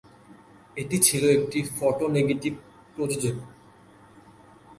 এটি ছিল একটি "ফোটো-নেগেটিভ" প্রযোজনা।